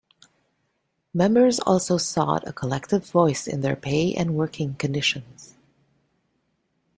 Members also sought a collective voice in their pay and working conditions.